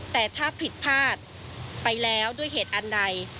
แต่ถ้าผิดพลาดไปแล้วด้วยเหตุอันใด